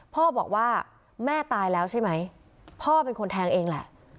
พ่อบอกว่าแม่ตายแล้วใช่ไหมพ่อเป็นคนแทงเองแหละ